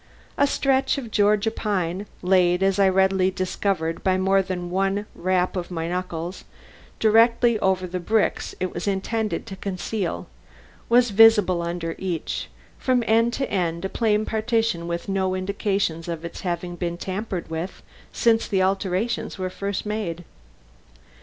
A stretch of Georgia pine, laid, as I readily discovered by more than one rap of my knuckles, directly over the bricks it was intended to conceal, was visible under each; from end to end a plain partition with no indications of its having been tampered with since the alterations were first made.